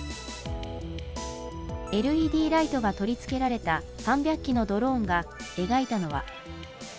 ＬＥＤライトが取り付けられた３００機のドローンが描いたのは。